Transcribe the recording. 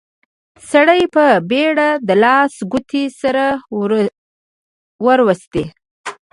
سړي په بيړه د لاس ګوتې سره وروستې.